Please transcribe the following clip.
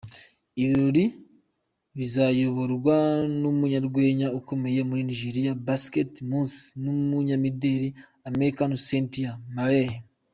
Ibirori bizayoborwa n’umunyarwenya ukomeye muri Nigeria Basket Mouth n’umunyamideli American Cynthia Bailey.